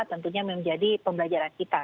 tentunya menjadi pembelajaran kita